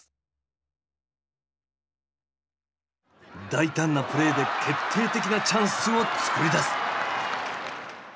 大胆なプレーで決定的なチャンスを作り出す。